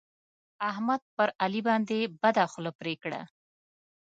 احمد پر علي باندې بده خوله پرې کړه.